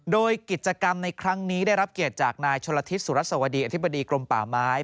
โดยกิจกรรมในครั้งนี้ได้รับเกียรติจากนายชนละทิศสุรสวดีอธิบดีกรมป่าไม้